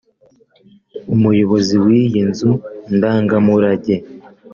umuyobozi w’iyi nzu ndangamurage